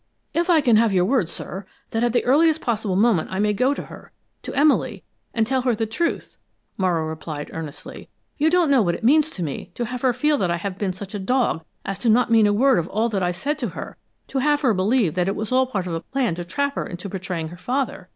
"If I can have your word, sir, that at the earliest possible moment I may go to her, to Emily, and tell her the truth," Morrow replied, earnestly. "You don't know what it means to me, to have her feel that I have been such a dog as not to mean a word of all that I said to her, to have her believe that it was all part of a plan to trap her into betraying her father.